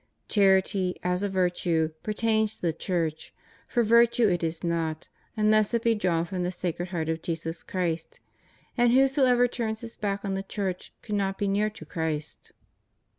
Charity, as a virtue, pertains to the Church; for virtue it is not, unless it be drawn from the Sacred Heart of Jesus Christ; and whoso ever turns his back on the Church cannot be near to Christ.